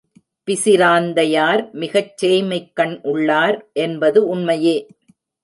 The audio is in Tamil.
பிசிராந்தையார் மிகச் சேய்மைக்கண் உள்ளார் என்பது உண்மையே.